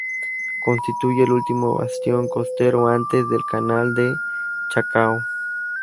Constituye el último bastión costero antes del canal de Chacao.